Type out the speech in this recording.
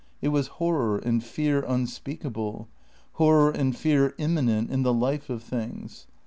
It was horror and fear unspeakable. Horror and fear immanent in the life of things.